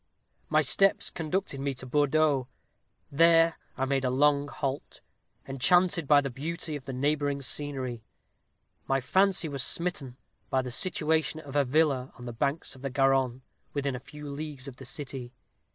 My steps conducted me to Bordeaux; there I made a long halt, enchanted by the beauty of the neighboring scenery. My fancy was smitten by the situation of a villa on the banks of the Garonne, within a few leagues of the city.